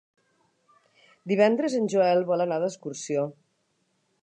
Divendres en Joel vol anar d'excursió.